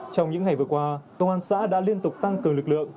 trong những ngày vừa qua công an xã đã liên tục tăng cường lực lượng